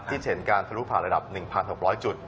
ที่จะเห็นการทะลุผ่านระดับ๑๖๐๐จุด